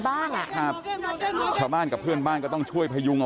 อยากจะเห็นว่าลูกเป็นยังไงอยากจะเห็นว่าลูกเป็นยังไง